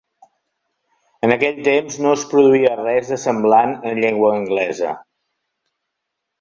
En aquell temps no es produïa res de semblant en llengua anglesa.